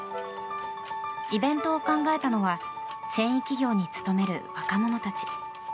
イベントを考えたのは繊維企業に勤める若者たち。